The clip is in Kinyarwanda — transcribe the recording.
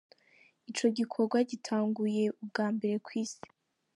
Ico gikorwa gitanguye ubwa mbere kw’isi.